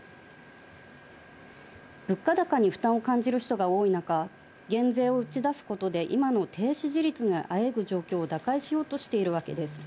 物価高に負担を感じる人が多い中、減税を打ち出すことで今の低支持率にあえぐ状況を打開しようとしているわけです。